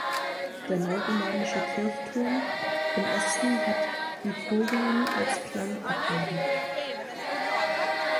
Der neuromanische Kirchturm im Osten hat Biforien als Klangarkaden.